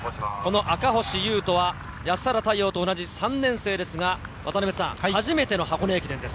赤星雄斗は安原太陽と同じ３年生ですが、初めての箱根駅伝です。